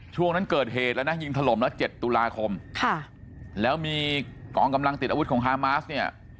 ช่วงนั้นเกิดเหตุแล้วนะยิงถล่มแล้ว๗ตุลาคมค่ะแล้วมีกองกำลังติดอาวุธของฮามาสเนี่ย